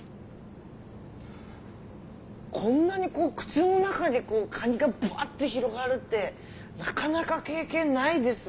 こんなに口の中にカニがぶわって広がるってなかなか経験ないです。